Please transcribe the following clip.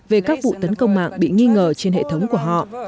về các vụ tấn công mạng bị nghi ngờ trên hệ thống của họ